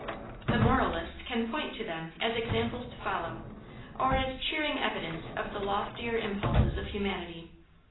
The moralist can point to them as examples to follow, or as cheering evidence of the loftier impulses of humanity.